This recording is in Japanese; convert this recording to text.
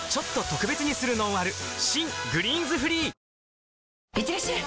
新「グリーンズフリー」いってらっしゃい！